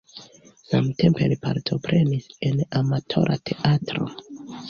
Samtempe li partoprenis en amatora teatro.